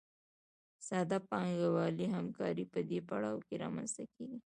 ساده پانګوالي همکاري په دې پړاو کې رامنځته کېږي